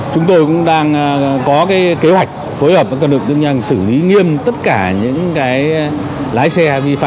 chúng tôi cũng đang có kế hoạch phối hợp với các lực tương nhanh xử lý nghiêm tất cả những cái lái xe vi phạm